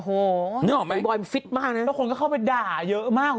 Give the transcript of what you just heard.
โอ้โหนึกออกไหมบอยฟิตมากนะแล้วคนก็เข้าไปด่าเยอะมาก